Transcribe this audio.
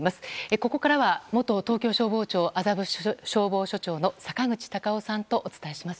ここからは元東京消防庁麻布消防署長の坂口隆夫さんとお伝えします。